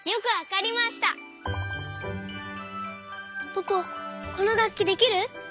ポポこのがっきできる？